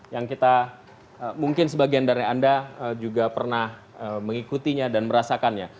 yang kita mungkin sebagian dari anda juga pernah mengikutinya dan merasakannya